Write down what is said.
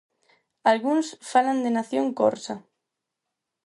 Algúns falan de nación corsa.